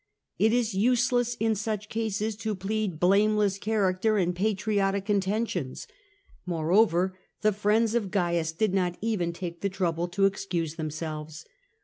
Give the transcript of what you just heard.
It is useless in such cases to plead blameless character and patriotic intentions. Moreover, the friends of Cains did not even take the trouble to excuse themselves.